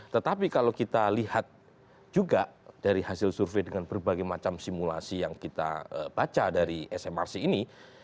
tetapi kalau kita lihat juga dari hasil survei dengan berbagai macam simulasi yang kita baca dari smrc ini